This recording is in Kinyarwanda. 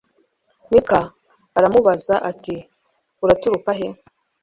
mika aramubaza ati uraturuka he